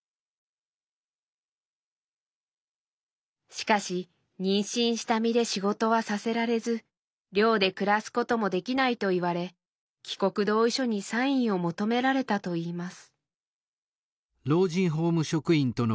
しかし妊娠した身で仕事はさせられず寮で暮らすこともできないと言われ帰国同意書にサインを求められたといいます。